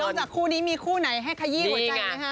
นอกจากคู่นี้มีคู่ไหนว่าให้ขยี้หัวใจนะครับ